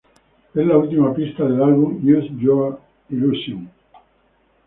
Es la última pista del álbum "Use Your Illusion I".